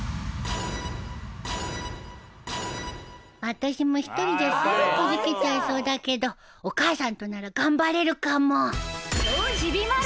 「私も一人じゃすぐくじけちゃいそうだけどお母さんとなら頑張れるかも」